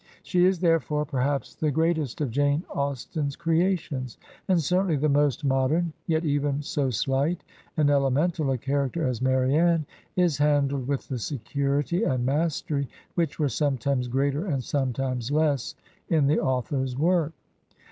She is therefore perhaps the great est of Jane Austen's creations, and certainly the most modem ; yet even so slight and elemental a character as Marianne is handled with the security and mastery, which were sometimes greater and sometimes less in the author's work.